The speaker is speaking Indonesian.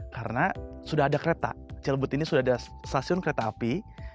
karena sudah ada kereta cilebut ini sudah ada stasiun kereta api